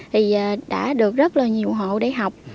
thì đã được rất là nhiều hộ để học